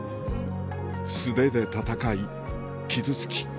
素手で闘い傷つき